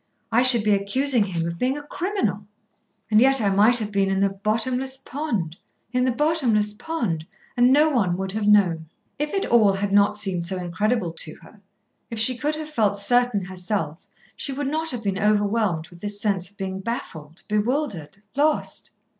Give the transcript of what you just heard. I should be accusing him of being a criminal. And yet I might have been in the bottomless pond, in the bottomless pond, and no one would have known." If it all had not seemed so incredible to her, if she could have felt certain herself, she would not have been overwhelmed with this sense of being baffled, bewildered, lost.